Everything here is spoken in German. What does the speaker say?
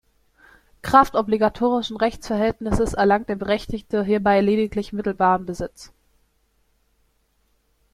Kraft obligatorischen Rechtsverhältnisses erlangt der Berechtigte hierbei lediglich mittelbaren Besitz.